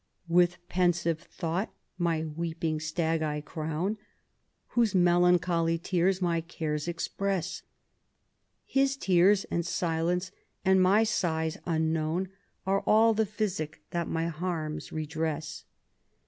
With pensive thought my weeping stag I crown ; Whose melancholy tears my cares express ; His tears and silence, and my sighs unknown Are all the physic that my harms redress.